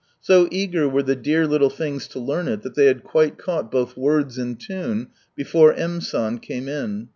So eager were the dear little things to learn it, that they had quite caught both words and tune, before M. San came in.